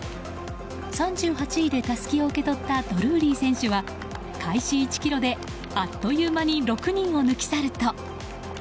３８位でたすきを受け取ったドルーリー選手は開始１ｋｍで、あっという間に６人を抜き去ると。